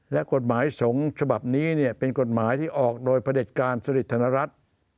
และกฎหมายสงฆ์ฉบับนี้เป็นกฎหมายที่ออกโดยประเด็จการสิริธนรัฐ